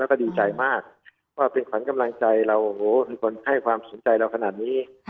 แล้วก็ดีใจมากว่าเป็นขวัญกำลังใจเราโอ้โหมีคนให้ความสนใจเราขนาดนี้